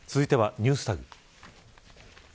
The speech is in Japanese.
続いてはいＮｅｗｓＴａｇ。